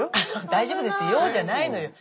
大丈夫ですよじゃないのよ。